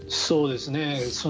そうですね。